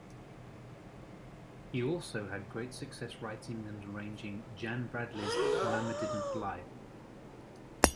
He also had great success writing and arranging Jan Bradley's "Mama Didn't Lie".